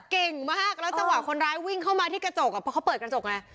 เก่งมากแล้วจังหวะคนร้ายวิ่งเข้ามาที่กระจกอ่ะเพราะเขาเปิดกระจกไง